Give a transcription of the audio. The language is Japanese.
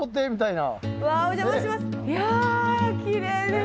いやきれいね！ね！